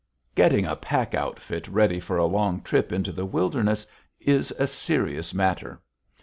Getting a pack outfit ready for a long trip into the wilderness is a serious matter.